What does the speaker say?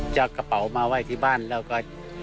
จะเอากระเป๋ามาไว้ที่บ้านแล้วก็